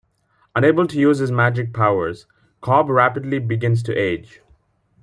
Unable to use his magic powers, Cob rapidly begins to age.